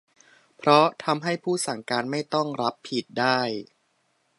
เพราะทำให้ผู้สั่งการไม่ต้องรับผิด ได้